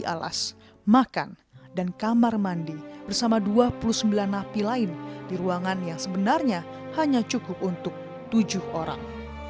di alas makan dan kamar mandi bersama dua puluh sembilan napi lain di ruangan yang sebenarnya hanya cukup untuk tujuh orang